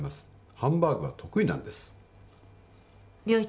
ハンバーグは得意なんです良一